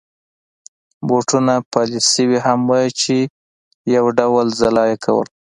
بوټونه پالش شوي هم وو چې یو ډول ځلا يې کول.